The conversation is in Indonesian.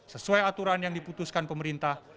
sesuai aturan yang diputuskan pemerintah